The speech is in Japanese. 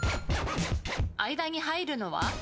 間に入るのは？